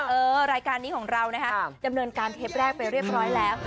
รายการนี้ของเรานะคะดำเนินการเทปแรกไปเรียบร้อยแล้ว